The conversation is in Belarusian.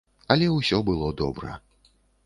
Але ўсё было добра.